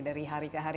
dari hari ke hari